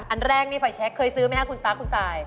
อันแรกไฟแชคเคยซื้อไหมครับคุณปลาคุณตาย